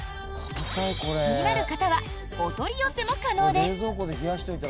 気になる方はお取り寄せも可能です。